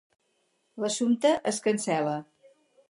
L'assumpte es cancel.la.